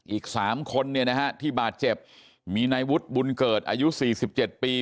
อีก๓คนเนี่ยนะฮะที่บาดเจ็บมีนายวุฒิบุญเกิดอายุ๔๗ปี